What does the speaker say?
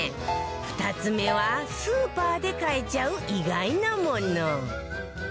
２つ目はスーパーで買えちゃう意外なもの